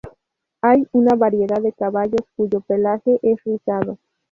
Hay una variedad de caballos cuyo pelaje es rizado.